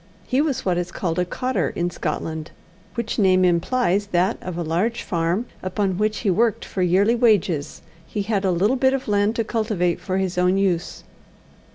He was what is called a cottar in Scotland, which name implies that of the large farm upon which he worked for yearly wages he had a little bit of land to cultivate for his own use.